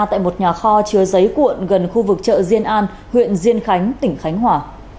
tại một nhà kho chứa giấy cuộn gần khu vực chợ diên an huyện diên khánh tỉnh khánh hòa